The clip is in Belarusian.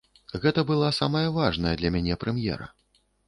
Гэта была самая важная для мяне прэм'ера.